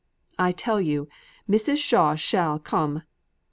I tell you, Mrs. Shaw shall come.